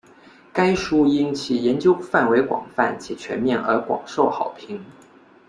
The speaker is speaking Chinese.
该书因其研究范围广泛且全面而广受好评。